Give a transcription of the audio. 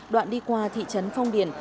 đoạn đi qua thị trấn phong điển